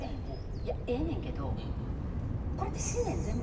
いやええねんけどこれって。